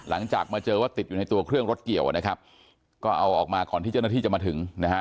หลังจากมาเจอว่าติดอยู่ในตัวเครื่องรถเกี่ยวนะครับก็เอาออกมาก่อนที่เจ้าหน้าที่จะมาถึงนะฮะ